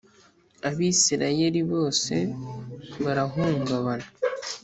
Abisirayeli bose barahungabana